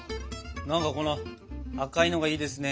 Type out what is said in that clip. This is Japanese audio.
なんかこの赤いのがいいですね。